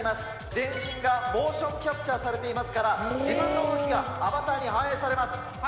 全身がモーションキャプチャーされていますから、自分の動きがアバターに反映されます。